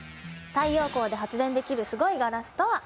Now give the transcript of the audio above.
太陽光で発電できるすごいガラスとは？